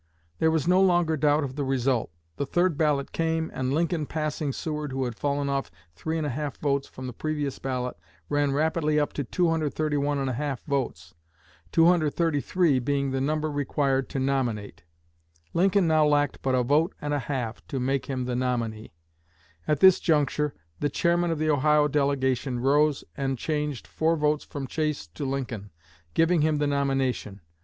There was no longer doubt of the result. The third ballot came, and Lincoln, passing Seward who had fallen off 3 1/2 votes from the previous ballot, ran rapidly up to 231 1/2 votes 233 being the number required to nominate. Lincoln now lacked but a vote and a half to make him the nominee. At this juncture, the chairman of the Ohio delegation rose and changed four votes from Chase to Lincoln, giving him the nomination.